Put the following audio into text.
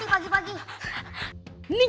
gue kejar anjing